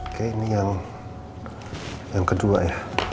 oke ini yang kedua ya